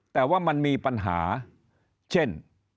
แต่ว่ามันมีปัญหาเช่น